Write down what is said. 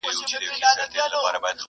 د زمانې دتوپانو په وړاندي وم لکه غر ،